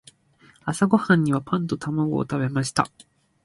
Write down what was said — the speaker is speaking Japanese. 朝ごはんにはパンと卵を食べました。